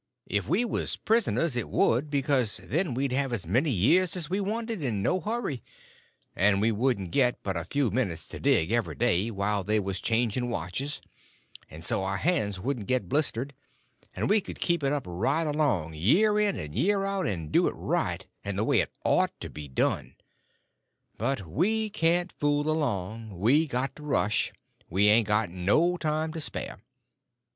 If we was prisoners it would, because then we'd have as many years as we wanted, and no hurry; and we wouldn't get but a few minutes to dig, every day, while they was changing watches, and so our hands wouldn't get blistered, and we could keep it up right along, year in and year out, and do it right, and the way it ought to be done. But we can't fool along; we got to rush; we ain't got no time to spare.